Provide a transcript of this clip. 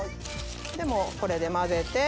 もうこれで混ぜて。